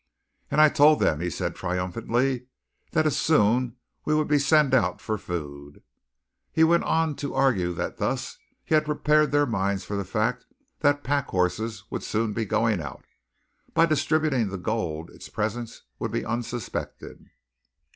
"And I told them," said he triumphantly, "that essoon we would be sen' out for the food." He went on to argue that thus he had prepared their minds for the fact that pack horses would soon be going out. By distributing the gold its presence would be unsuspected.